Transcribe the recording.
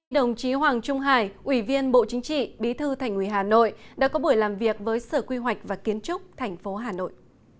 đồng chí hoàng trung hải ủy viên bộ chính trị bí thư thành ủy hà nội đã có buổi làm việc với sở quy hoạch và kiến trúc thành phố hà nội